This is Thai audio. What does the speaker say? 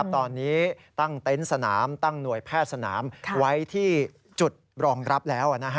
ตอนนี้ตั้งเต็นต์สนามตั้งหน่วยแพทย์สนามไว้ที่จุดรองรับแล้ว